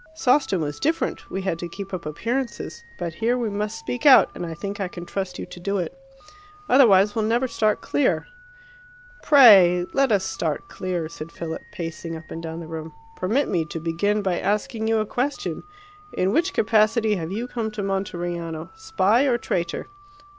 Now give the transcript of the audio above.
Sawston was different: we had to keep up appearances. But here we must speak out, and I think I can trust you to do it. Otherwise we'll never start clear." "Pray let us start clear," said Philip, pacing up and down the room. "Permit me to begin by asking you a question. In which capacity have you come to Monteriano spy or traitor?"